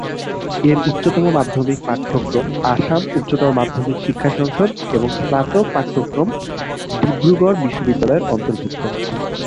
এর উচ্চতম মাধ্যমিক পাঠ্যক্রম আসাম উচ্চতর মাধ্যমিক শিক্ষা সংসদ এবং স্নাতক পাঠ্যক্রম ডিব্রুগড় বিশ্ববিদ্যালয়-এর অন্তর্ভুক্ত।